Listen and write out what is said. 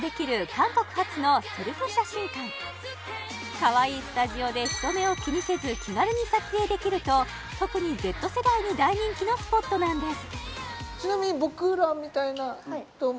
韓国発のセルフ写真館かわいいスタジオで人目を気にせず気軽に撮影できると特にＺ世代に大人気のスポットなんです